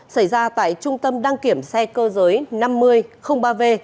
xảy ra tại trung tâm đăng kiểm xe cơ giới năm nghìn ba v